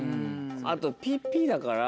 あとピッピッだから。